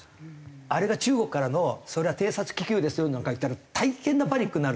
「あれが中国からのそれは偵察気球ですよ」なんか言ったら大変なパニックになる。